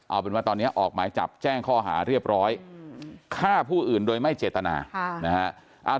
เอาเป็นว่าตอนนี้ออกหมายจับแจ้งข้อหาเรียบร้อยฆ่าผู้อื่นโดยไม่เจตนานะฮะ